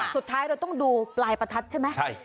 สุดท้ายเราต้องดูปลายประทัดใช่ไหม